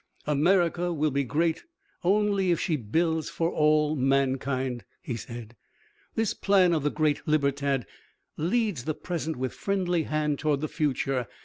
"America will be great only if she builds for all mankind," he said. "This plan of the great Libertad leads the present with friendly hand toward the future.